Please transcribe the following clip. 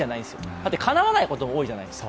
だって、かなわないことが多いじゃないですか。